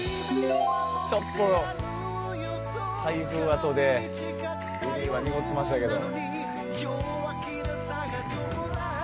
ちょっと台風あとで海が濁ってましたけど。